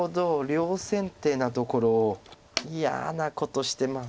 両先手なところを嫌なことしてます